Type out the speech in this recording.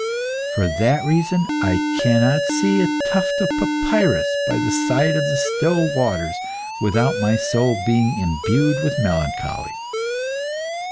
For that reason, I cannot see a tuft of papyrus by the side of still waters without my soul being imbued with melancholy.